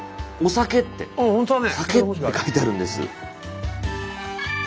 「酒」って書いてあるんです。